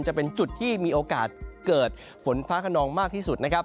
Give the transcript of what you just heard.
จะเป็นจุดที่มีโอกาสเกิดฝนฟ้าขนองมากที่สุดนะครับ